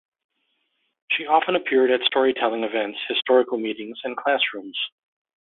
She often appeared at storytelling events, historical meetings and classrooms.